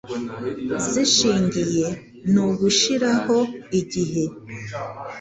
zishingiye ni ugushiraho igihe